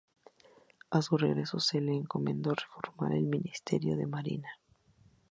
A su regreso, se le encomendó reformar el Ministerio de Marina.